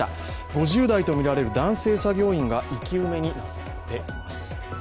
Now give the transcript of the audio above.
５０代とみられる男性作業員が生き埋めになっています。